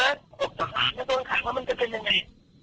ว่าคตสหารจะโดนขั่งว่ามันจะเป็นยังไง